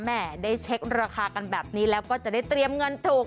ได้เช็คราคากันแบบนี้แล้วก็จะได้เตรียมเงินถูก